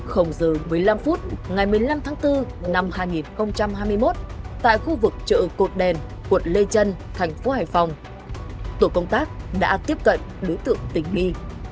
giờ một mươi năm phút ngày một mươi năm tháng bốn năm hai nghìn hai mươi một tại khu vực chợ cột đèn quận lê trân thành phố hải phòng tổ công tác đã tiếp cận đối tượng tỉnh my